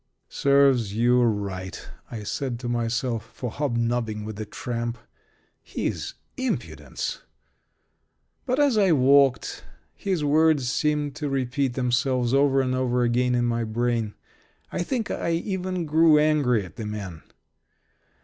"Serves you right," I said to myself, "for hobnobbing with a tramp. His impudence!" But, as I walked, his words seemed to repeat themselves over and over again in my brain. I think I even grew angry at the man.